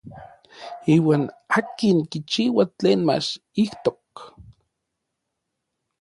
Iuan akin kichiua tlen mach ijtok.